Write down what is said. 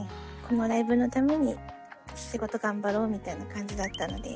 このライブのために仕事頑張ろうみたいな感じだったので。